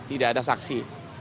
tidak ada saksi